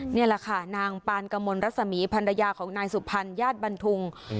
เนี่ยละคะนางปานกะมนรัศมีพรรดิภัณฑ์ของนายสุภัณฑ์ย่าบรรุง